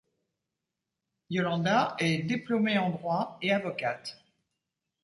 Yolanda est diplômée en droit et avocate.